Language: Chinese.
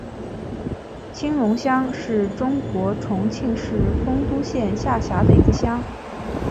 青龙乡是中国重庆市丰都县下辖的一个乡。